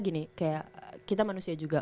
gini kayak kita manusia juga